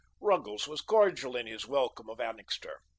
Ruggles was cordial in his welcome of Annixter.